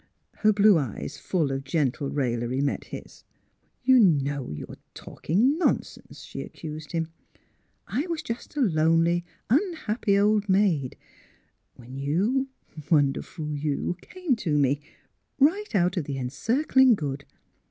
Her blue eyes, full of gentle raillery, met his. " You know you're talking nonsense! " she ac cused him. '' I was just a lonely, unhappy old maid, when you — wonderful you — came to me, right out of the Encircling Good.